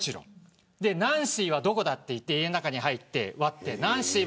ナンシーはどこだと言って家の中に入って。